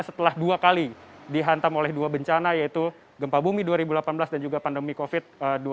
setelah dua kali dihantam oleh dua bencana yaitu gempa bumi dua ribu delapan belas dan juga pandemi covid sembilan belas